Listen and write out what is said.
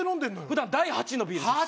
普段第８のビールです８？